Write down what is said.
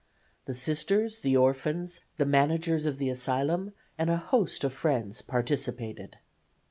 The Sisters, the orphans, the managers of the asylum and a host of friends participated.